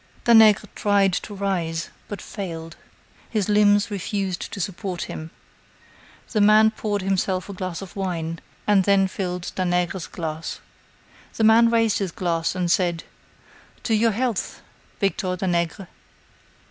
Danègre tried to rise, but failed. His limbs refused to support him. The man poured himself a glass of wine, and then filled Danègre's glass. The man raised his glass, and said: "To your health, Victor Danègre."